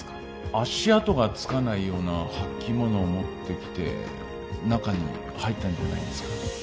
足跡がつかないような履物を持ってきて中に入ったんじゃないんですか？